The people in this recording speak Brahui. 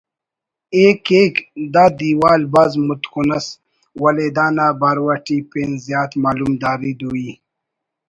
ءِ کیک دا دیوال بھاز متکن ئس ولے دانا بارو اٹی پین زیادہ معلومداری دوئی